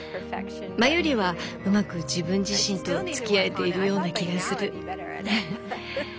前よりはうまく自分自身とつきあえているような気がする。